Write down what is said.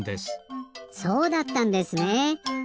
そうだったんですねえ。